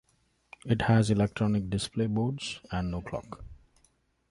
It has electronic display boards, and no clock.